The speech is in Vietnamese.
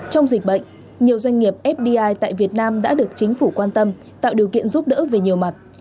trong dịch bệnh nhiều doanh nghiệp fdi tại việt nam đã được chính phủ quan tâm tạo điều kiện giúp đỡ về nhiều mặt